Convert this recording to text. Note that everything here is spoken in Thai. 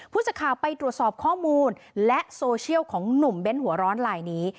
สักข่าวไปตรวจสอบข้อมูลและโซเชียลของหนุ่มเบ้นหัวร้อนลายนี้